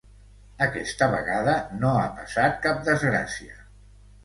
Aquesta vegada no ha passat cap desgràcia.